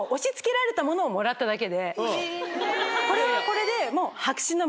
これはこれで。